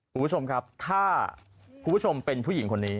คุณผู้ชมครับถ้าคุณผู้ชมเป็นผู้หญิงคนนี้